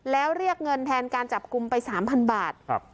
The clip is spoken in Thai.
แล้วเรียกเงินแทนการจับกุมไปสามพันบาทครับ